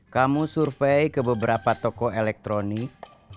kamu survei ke beberapa toko elektronik